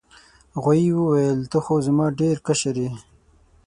غوايي وویل ته خو تر ما ډیر کشر یې.